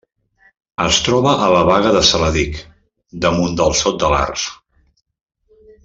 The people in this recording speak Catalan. Es troba a la Baga de Saladic, damunt del Sot de l'Arç.